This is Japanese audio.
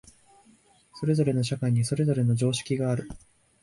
それぞれの社会にそれぞれの常識がある。